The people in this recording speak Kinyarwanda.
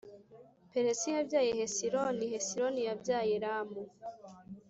Peresi yabyaye Hesironi, Hesironi yabyaye Ramu,